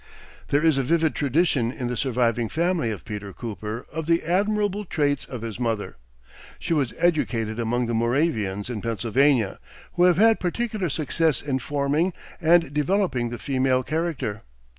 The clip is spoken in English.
There is a vivid tradition in the surviving family of Peter Cooper of the admirable traits of his mother. She was educated among the Moravians in Pennsylvania, who have had particular success in forming and developing the female character.